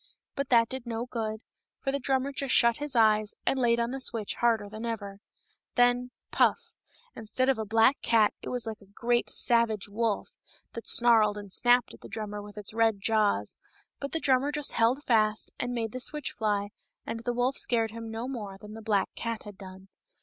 But that did no good, for the drummer just shut his eyes and laid on the switch harder than ever. Then — puff !— instead of a black cat it was like a great, savage wolf, that snarled and snapped at the drummer with its red jaws ; but the drummer just held fast and made the switch fly, and the wolf scared him no more than the black cat had done.